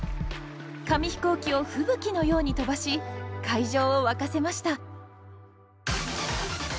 紙飛行機を吹雪のように飛ばし会場を沸かせました。